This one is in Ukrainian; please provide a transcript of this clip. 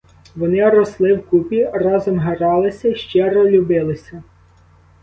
Вони росли вкупі, разом гралися й щиро любилися.